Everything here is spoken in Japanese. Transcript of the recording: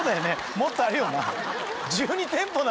もっとあるよな